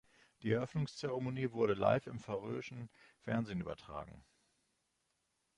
Die Eröffnungszeremonie wurde live im färöischen Fernsehen übertragen.